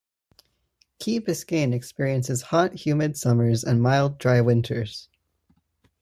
Key Biscayne experiences hot, humid summers and mild, dry winters.